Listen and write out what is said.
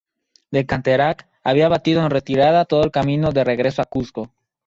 De Canterac había batido en retirada todo el camino de regreso a Cuzco.